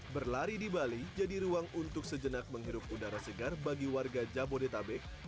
berlari di bali jadi ruang untuk sejenak menghirup udara segar bagi warga jabodetabek